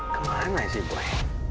ke mana sih boy